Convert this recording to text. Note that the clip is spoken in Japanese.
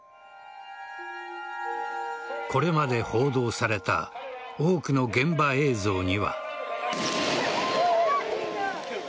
これまで報道された多くの現場映像には。